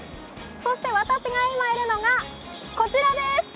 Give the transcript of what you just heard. そして私が今いるのが、こちらでーす。